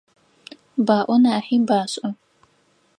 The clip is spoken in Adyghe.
Баӏо нахьи башӏэ.